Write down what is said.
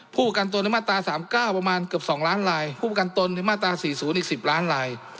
ผู้ประกันตนในมาตราสามเก้าประมาณเกือบสองล้านลายผู้ประกันตนในมาตราสี่ศูนย์อีกสิบล้านลาย